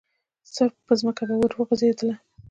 سړپ پرځمکه به ور وغورځېدله.